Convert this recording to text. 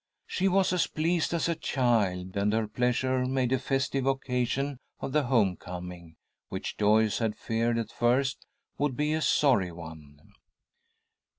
She was as pleased as a child, and her pleasure made a festive occasion of the home coming, which Joyce had feared at first would be a sorry one.